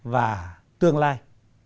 và tương lai